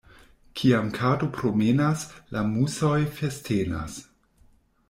Kiam kato promenas, la musoj festenas.